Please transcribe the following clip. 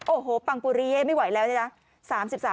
โอ้โหปังปุริยไม่ไหวแล้วเนี่ย